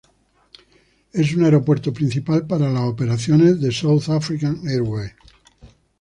Es un aeropuerto principal para las operaciones de South African Airways.